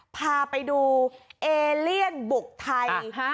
พาไปดูเอเลียนบุกไทย